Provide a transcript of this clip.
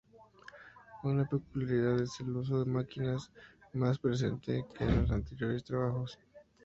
Una peculiaridad es el uso de máquinas, más presente que en los anteriores trabajos.